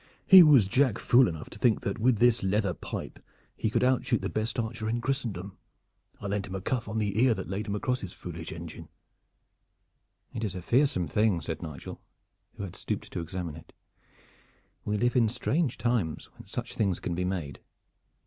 He was jack fool enough to think that with this leather pipe he could outshoot the best archer in Christendom. I lent him a cuff on the ear that laid him across his foolish engine." "It is a fearsome thing," said Nigel, who had stooped to examine it. "We live in strange times when such things can be made.